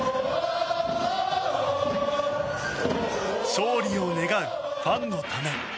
勝利を願うファンのため。